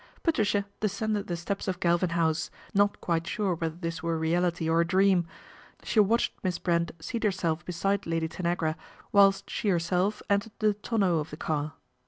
Patricia descended the steps of Galvin House, ot quite sure whether this were reality or a earn. She watched Miss Brent seat herself be ide Lady Tanagra, whilst she herself entered the onneau of the car.